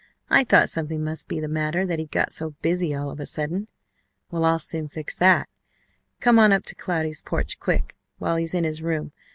I thought something must be the matter that he got so busy all of a sudden. Well, I'll soon fix that! Come on up to Cloudy's porch, quick, while he's in his room.